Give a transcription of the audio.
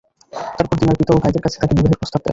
তারপর দীনার পিতা ও ভাইদের কাছে তাকে বিবাহের প্রস্তাব দেয়।